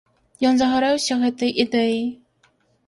Ён загарэўся гэтай ідэяй.